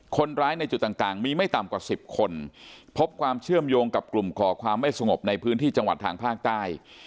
ในจุดต่างมีไม่ต่ำกว่า๑๐คนพบความเชื่อมโยงกับกลุ่มก่อความไม่สงบในพื้นที่จังหวัดทางภาคใต้